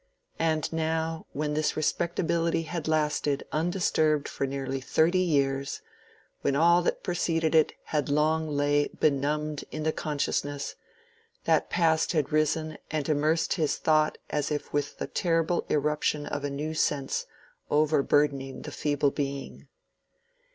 And now, when this respectability had lasted undisturbed for nearly thirty years—when all that preceded it had long lain benumbed in the consciousness—that past had risen and immersed his thought as if with the terrible irruption of a new sense overburthening the feeble being.